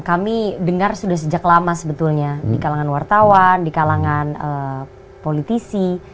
kami dengar sudah sejak lama sebetulnya di kalangan wartawan di kalangan politisi